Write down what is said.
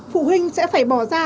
phụ huynh sẽ phải bỏ ra